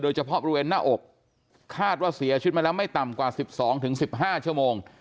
เฉพาะบริเวณหน้าอกคาดว่าเสียชีวิตมาแล้วไม่ต่ำกว่า๑๒๑๕ชั่วโมง